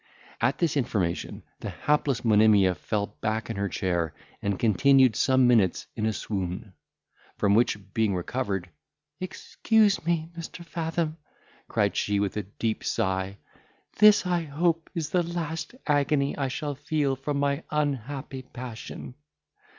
At this information the hapless Monimia fell back in her chair, and continued some minutes in a swoon; from which being recovered, "Excuse me, Mr. Fathom," cried she with a deep sigh; "this, I hope, is the last agony I shall feel from my unhappy passion."